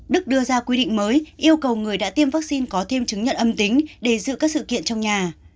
đức đưa ra quy định mới yêu cầu người đã tiêm vaccine có thêm chứng nhận âm tính để giữ các sự kiện trong nhà